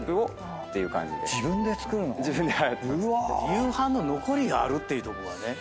夕飯の残りがあるってとこがね。